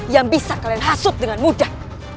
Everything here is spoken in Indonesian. yang bisa kalian hasut dengan mudah